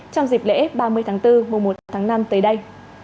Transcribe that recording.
trong dịp lễ ba mươi tháng bốn mùa một tháng năm tới đây